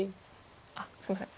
あっすいません。